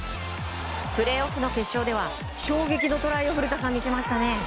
プレーオフの決勝では衝撃のトライを見せましたね。